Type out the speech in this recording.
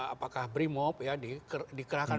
apakah brimop ya dikerahkan